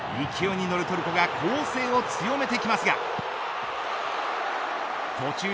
勢いに乗るトルコが攻勢を強めてきますが。